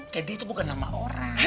kedi itu bukan nama orang